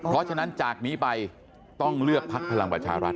เพราะฉะนั้นจากนี้ไปต้องเลือกพักพลังประชารัฐ